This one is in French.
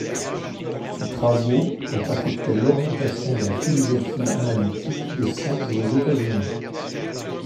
Ses travaux ont affecté l’orientation de la philosophie analytique des sciences aux Etats-Unis.